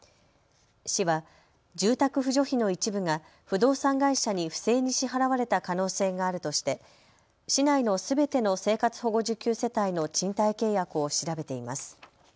市は住宅扶助費の一部が不動産会社に不正に支払われた可能性があるとして市内のすべての生活保護受給世帯の賃貸契約を調べています。